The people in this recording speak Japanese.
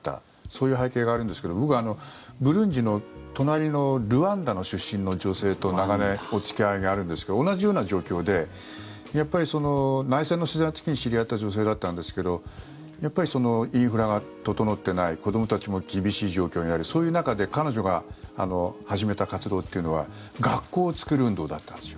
そういう背景があるんですけど僕、ブルンジの隣のルワンダの出身の女性と長年、お付き合いがあるんですが同じような状況でやっぱり内戦の時期に知り合った女性だったんですがやっぱりインフラが整っていない子どもたちも厳しい状況にあるそういう中で彼女が始めた活動というのは学校を作る運動だと。